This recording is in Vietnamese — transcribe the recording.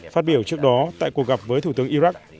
phát biểu trước đó tại cuộc gặp với thủ tướng iraq